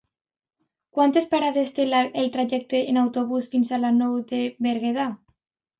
Quantes parades té el trajecte en autobús fins a la Nou de Berguedà?